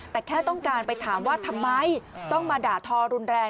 แต่แค่ต้องการไปถามว่าทำไมต้องมาด่าทอรุนแรง